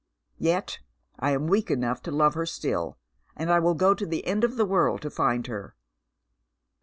Yet I am weak enough to love her still, and I will go to the end of the world to find her."